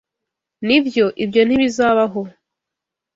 Nibyo, ibyo ntibizabaho.